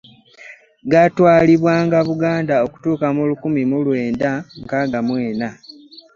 Gaatwalibwanga Buganda okutuuka mu lukumi mu lwenda nkaaga mu ena